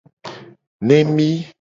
Nemi.